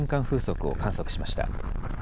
風速を観測しました。